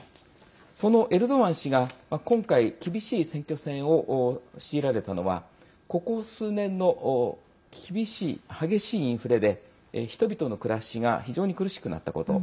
そのエルドアン氏が、今回厳しい選挙戦を強いられたのはここ数年の激しいインフレで人々の暮らしが非常に苦しくなったこと。